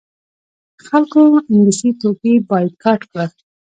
خلکو انګلیسي توکي بایکاټ کړل.